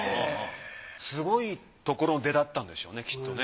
すごいとこの出だったんでしょうねきっとね。